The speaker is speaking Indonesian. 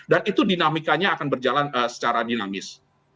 itu dinamikanya akan berjalan secara dinamis